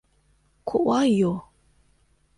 怖いよ。